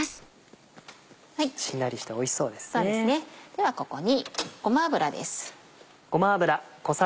ではここにごま油です。